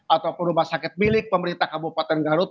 ataupun rumah sakit milik pemerintah kabupaten garut